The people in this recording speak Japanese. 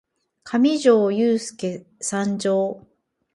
かみじょーゆーすーけ参上！